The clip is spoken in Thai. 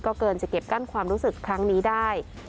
เกินจะเก็บกั้นความรู้สึกครั้งนี้ได้